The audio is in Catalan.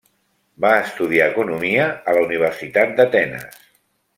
Va estudiar economia a la Universitat d'Atenes.